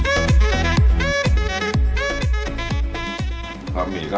ออกลงทางมีนะครับ